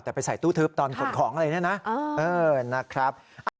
แต่ไปใส่ตู้ทึบตอนขนของอะไรเนี่ยนะนะครับ